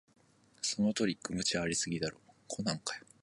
そのトリック、無茶ありすぎだろ